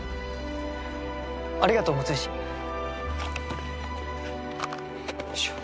ありがとう六石。よいしょ。